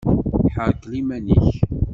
Ḥerkel iman-ik!